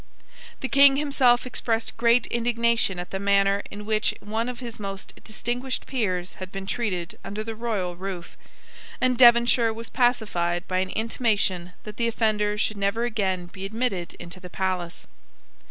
The King himself expressed great indignation at the manner in which one of his most distinguished peers had been treated under the royal roof; and Devonshire was pacified by an intimation that the offender should never again be admitted into the palace.